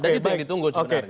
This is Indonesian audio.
dan itu yang ditunggu sebenarnya